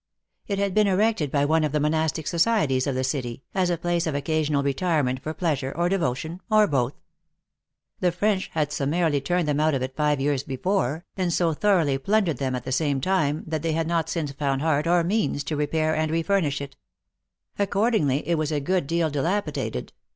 It had been erected by one of the monastic societies of the city, as a place of occasional retirement for pleasure, or devotion, or both. The French had sum marily turned them out of it five years before, and so thoroughly plundered them, at the same time, that they had not since found heart or^neans to repair and refurnish it. Accordingly, it was a good deal dilap idated.